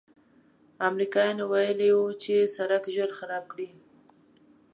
امریکایانو ویلي و چې سړک ژر خراب کړي.